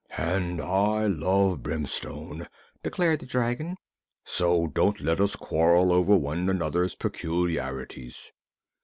"And I love brimstone," declared the dragon, "so don't let us quarrel over one another's peculiarities."